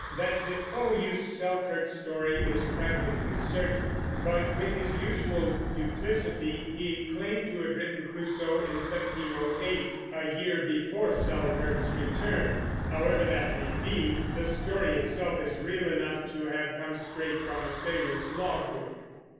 That Defoe used Selkirk's story is practically certain; but with his usual duplicity he claimed to have written Crusoe in 1708, a year before Selkirk's return. However that may be, the story itself is real enough to have come straight from a sailor's logbook.